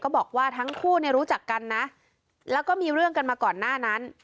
บอกว่าทั้งคู่เนี่ยรู้จักกันนะแล้วก็มีเรื่องกันมาก่อนหน้านั้น